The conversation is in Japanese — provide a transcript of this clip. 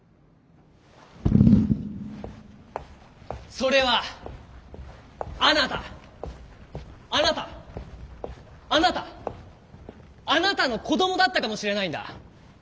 それはあなたあなたあなたあなたの子どもだったかもしれないんだ。